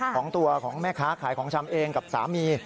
ของตัวของแม่ค้าขายของชำเองกับสามี